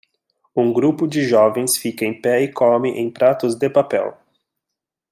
Um grupo de jovens fica em pé e come em pratos de papel.